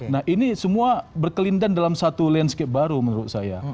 nah ini semua berkelindan dalam satu landscape baru menurut saya